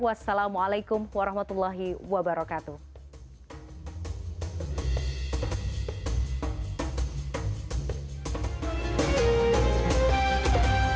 wassalamualaikum warahmatullahi wabarakatuh